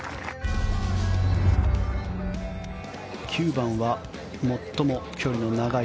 ９番は最も距離の長い